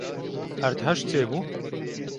Erdhej çêbû?